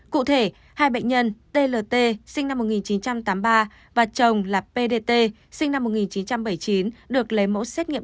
cụ thể hai bệnh nhân tlt sinh năm một nghìn chín trăm tám mươi ba và chồng là pdt sinh năm một nghìn chín trăm bảy mươi chín được lấy mẫu xét nghiệm